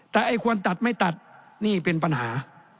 แต่ไอ้ควรตัดไม่ตัดนี่เป็นปัญหา